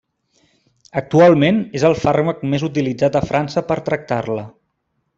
Actualment, és el fàrmac més utilitzat a França per tractar-la.